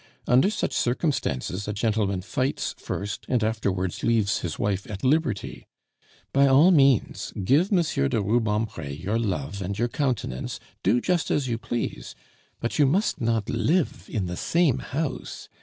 Under such circumstances a gentleman fights first and afterwards leaves his wife at liberty. By all means, give M. de Rubempre your love and your countenance; do just as you please; but you must not live in the same house.